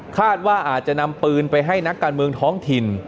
คาดว่าอาจจะนำปืนไปให้นักการเมืองท้องถิ่น